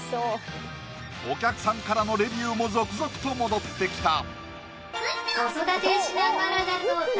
お客さんからのレビューも続々と戻ってきた